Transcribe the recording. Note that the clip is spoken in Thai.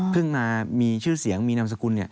มามีชื่อเสียงมีนามสกุล